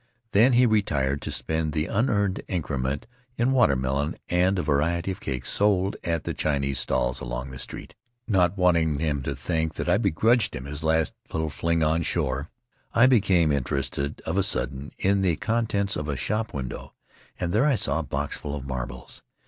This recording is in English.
Then he retired to spend the unearned increment in watermelon and a variety of cakes sold at the Chinese stalls along the street. Not wanting him to think that I begrudged him his last little fling on shore, I became interested of a sudden in the contents of a shop window, and there I saw a boxful of marbles.